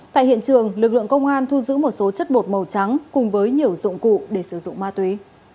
tại hiện trường lực lượng công an thu giữ một số chất bột màu trắng cùng với nhiều dụng cụ để sử dụng ma túy